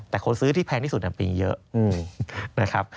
แต่คนซื้อที่แพงที่สุดปีเยอะนะครับ